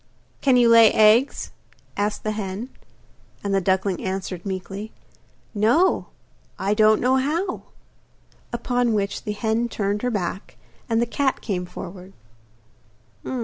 'Can you lay eggs?' asked the hen. And the duckling answered meekly: 'No; I don't know how.' Upon which the hen turned her back, and the cat came forward.